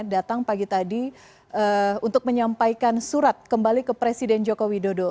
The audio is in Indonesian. datang pagi tadi untuk menyampaikan surat kembali ke presiden joko widodo